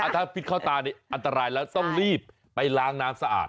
ถ้าพิษเข้าตานี่อันตรายแล้วต้องรีบไปล้างน้ำสะอาด